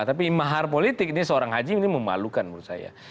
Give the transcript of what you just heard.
tapi mahar politik ini seorang haji ini memalukan menurut saya